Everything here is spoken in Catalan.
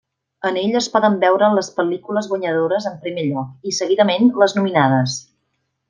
En ell es poden veure les pel·lícules guanyadores en primer lloc i seguidament les nominades.